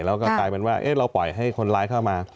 แล้วก็กลายเป็นว่าเราปล่อยให้คนร้ายเข้ามา